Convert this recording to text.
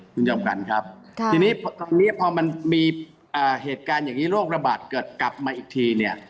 คุณจอมขวัญครับทีนี้พอมันมีเหตุการณ์อย่างนี้โรคระบาดเกิดกลับมาอีกทีเนี่ย